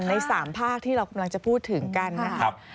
ใน๓ภาคที่เรากำลังจะพูดถึงกันนะครับ